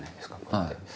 はい。